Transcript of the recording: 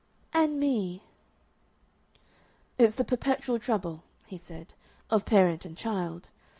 "And me...." "It's the perpetual trouble," he said, "of parent and child.